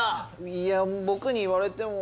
いや僕に言われても。